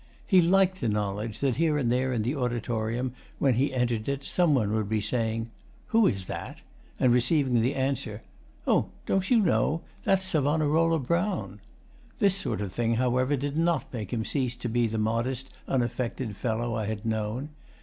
He liked the knowledge that here and there in the auditorium, when he entered it, some one would be saying 'Who is that?' and receiving the answer 'Oh, don't you know? That's "Savonarola" Brown.' This sort of thing, however, did not make him cease to be the modest, unaffected fellow I had known.